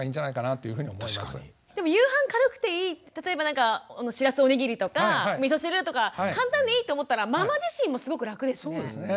でも夕飯軽くていいって例えばなんかしらすおにぎりとかみそ汁とか簡単でいいって思ったらママ自身もすごく楽ですね。